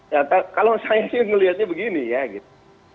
ya kalau saya sih melihatnya begini ya gitu